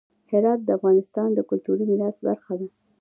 هرات د افغانستان د کلتوري میراث برخه ده.